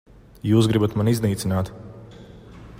Jūs gribat mani iznīcināt.